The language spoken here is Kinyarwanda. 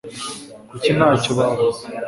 kuki ntacyo bavuze